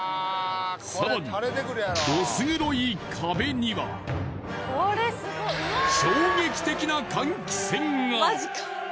さらにドス黒い壁には衝撃的な換気扇が。